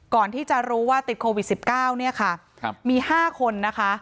ก่อนที่จะรู้ว่าติดโควิด๑๙เนี่ยค่ะมี๕คนนะคะ